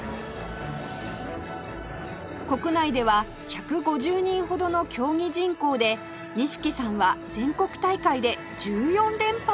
国内では１５０人ほどの競技人口で西木さんは全国大会で１４連覇を達成